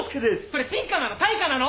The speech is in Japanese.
それ進化なの？